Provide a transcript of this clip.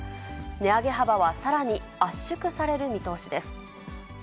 値上げ幅はさらに圧縮される見通しです。